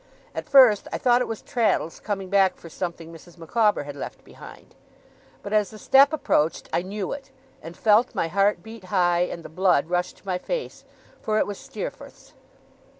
At first, I thought it was Traddles coming back for something Mrs. Micawber had left behind; but as the step approached, I knew it, and felt my heart beat high, and the blood rush to my face, for it was Steerforth's.